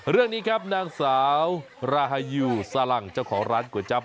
เรื่องนี้ครับนางสาวราฮายูสลังเจ้าของร้านก๋วยจั๊บ